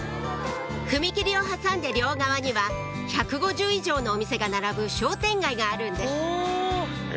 踏切を挟んで両側には１５０以上のお店が並ぶ商店街があるんです